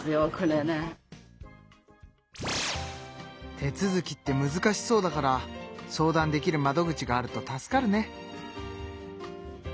手続きってむずかしそうだから相談できる窓口があると助かるね。